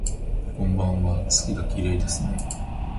こんばんわ、月がきれいですね